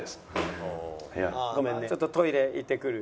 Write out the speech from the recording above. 「ちょっとトイレ行ってくる」。